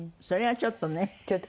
それはちょっとね。